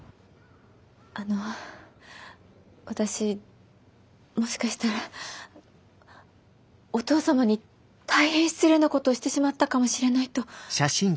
あの私もしかしたらお父様に大変失礼なことをしてしまったかもしれないと。